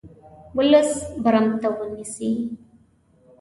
ولس برمته ونیسي.